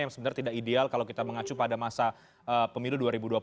yang sebenarnya tidak ideal kalau kita mengacu pada masa pemilu dua ribu dua puluh empat